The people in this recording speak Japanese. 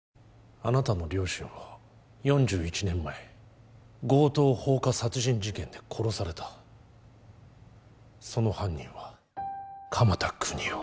あなたの両親は４１年前強盗放火殺人事件で殺されたその犯人は鎌田國士